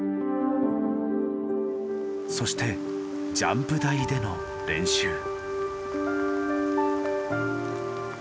そしてジャンプ台での練習。